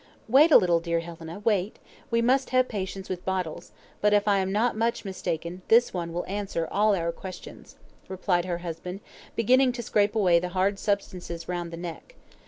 "Wait a little, dear Helena, wait; we must have patience with bottles; but if I am not much mistaken, this one will answer all our questions," replied her husband, beginning to scrape away the hard substances round the neck.